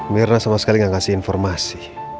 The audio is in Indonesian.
mirna sama sekali gak ngasih informasi